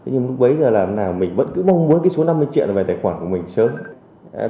nhưng lúc bấy giờ làm nào mình vẫn cứ mong muốn cái số năm mươi chuyện về tài khoản của mình sớm